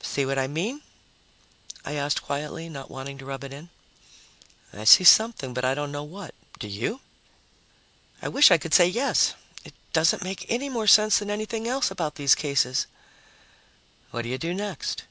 "See what I mean?" I asked quietly, not wanting to rub it in. "I see something, but I don't know what. Do you?" "I wish I could say yes. It doesn't make any more sense than anything else about these cases." "What do you do next?"